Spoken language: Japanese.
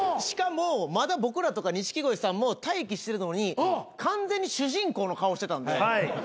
しかもまだ僕らとか錦鯉さんも待機してるのに完全に主人公の顔してたんで。